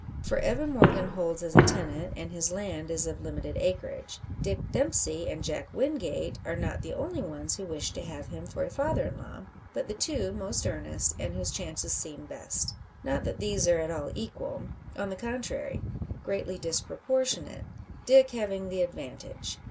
For Evan Morgan holds as a tenant, and his land is of limited acreage. Dick Dempsey and Jack Wingate are not the only ones who wish to have him for a father in law, but the two most earnest, and whose chances seem best. Not that these are at all equal; on the contrary, greatly disproportionate, Dick having the advantage.